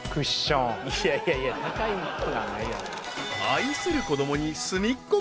［愛する子供にすみっコ